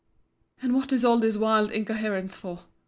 And what is all this wild incoherence for?